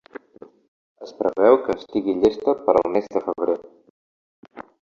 Es preveu que estigui llesta per al mes de febrer.